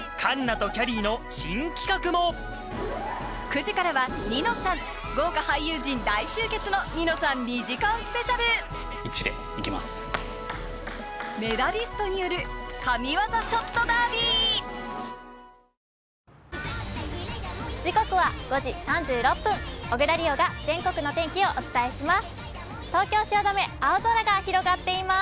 時刻は５時３６分、小椋梨央が全国の天気をお伝えします。